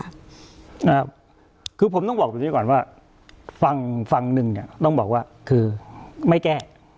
นะครับคือผมต้องบอกแบบนี้ก่อนว่าฟังฝั่งหนึ่งเนี่ยต้องบอกว่าคือไม่แก้